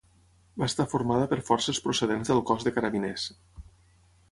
Va estar formada per forces procedents del Cos de Carabiners.